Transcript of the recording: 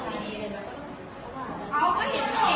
กับสายทั้งที